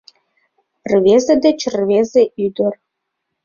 Рвезе деч рвезе ӱдыр